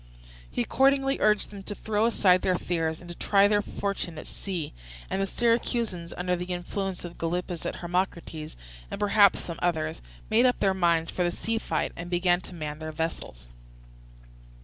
He accordingly urged them to throw aside their fears and to try their fortune at sea; and the Syracusans, under the influence of Gylippus and Hermocrates, and perhaps some others, made up their minds for the sea fight and began to man their vessels.